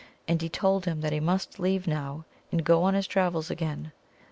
And he told him that he must leave him now, and go on his travels again.